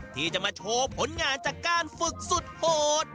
ที่จะมาโชว์ผลงานจากการฝึกสุดโหด